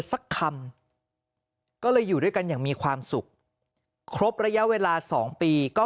สักคำก็เลยอยู่ด้วยกันอย่างมีความสุขครบระยะเวลา๒ปีก็